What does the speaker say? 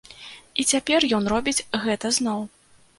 І цяпер ён робіць гэта зноў.